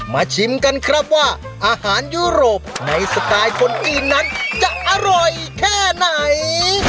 ชิมกันครับว่าอาหารยุโรปในสไตล์คนจีนนั้นจะอร่อยแค่ไหน